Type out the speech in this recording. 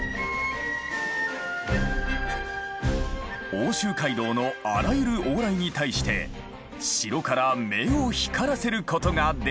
奥州街道のあらゆる往来に対して城から目を光らせることができたのだ。